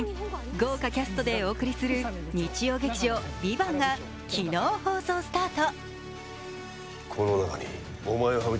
豪華キャストでお送りする日曜劇場「ＶＩＶＡＮＴ」が昨日、放送スタート。